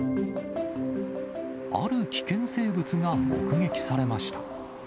ある危険生物が目撃されました。